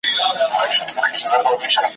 منګی پورته پر اوږه، لاس په کمر